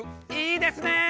いいですね！